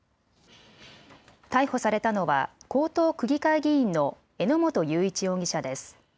逮捕されたのは江東区議会議員の榎本雄一容疑者です。